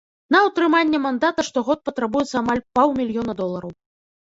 На ўтрыманне мандата штогод патрабуецца амаль паўмільёна долараў.